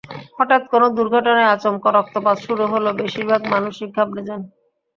হঠাৎ কোনো দুর্ঘটনায় আচমকা রক্তপাত শুরু হলে বেশির ভাগ মানুষই ঘাবড়ে যান।